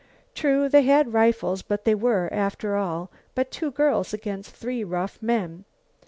True, they had rifles but they were, after all, but two girls against three rough men.